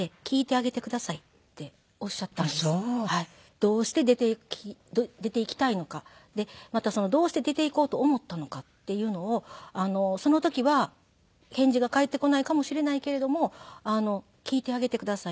「どうして出て行きたいのかまたどうして出て行こうと思ったのかっていうのをその時は返事が返ってこないかもしれないけれども聞いてあげてください」。